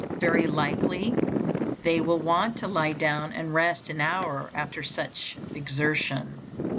Very likely they will want to lie down and rest an hour after such exertion.